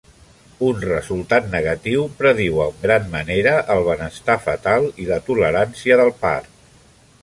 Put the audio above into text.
Un resultat negatiu prediu en gran manera el benestar fetal i la tolerància del part.